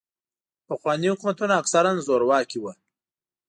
پخواني حکومتونه اکثراً زورواکي وو.